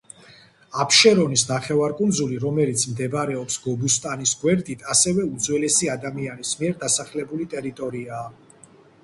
აფშერონის ნახევარკუნძული, რომელიც მდებარეობს გობუსტანის გვერდით, ასევე უძველესი ადამიანის მიერ დასახლებული ტერიტორიაა.